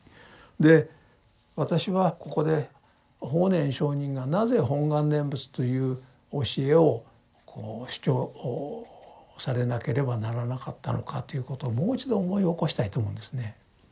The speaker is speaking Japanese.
で私はここで法然上人がなぜ「本願念仏」という教えを主張されなければならなかったのかということをもう一度思い起こしたいと思うんですね。